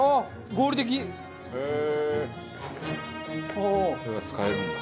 これが使えるんだ。